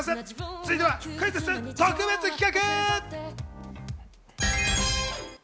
続いてはクイズッス特別企画！